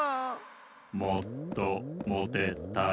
もっともてたい。